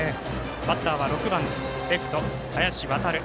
バッターは６番レフト林航海。